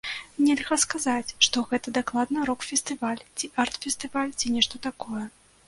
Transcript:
Нельга сказаць, што гэта дакладна рок-фестываль, ці арт-фестываль ці нешта такое.